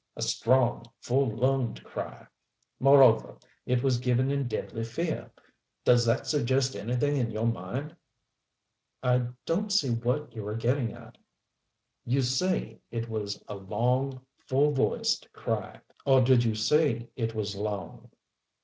A strong, full lunged cry. Moreover, it was given in deadly fear. Does that suggest anything in your mind?" "I don't see what you are getting at." "You say it was a long, full voiced cry. Or did you say it was long?"